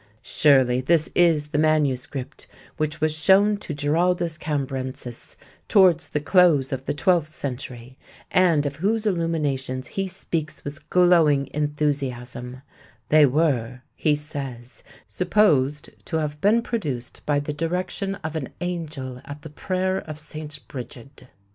Surely this is the manuscript which was shown to Giraldus Cambrensis towards the close of the twelfth century and of whose illuminations he speaks with glowing enthusiasm; "they were," he says, "supposed to have been produced by the direction of an angel at the prayer of St. Brigid."